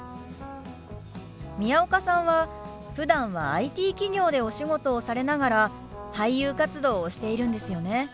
宮岡さんはふだんはＩＴ企業でお仕事をされながら俳優活動をしているんですよね。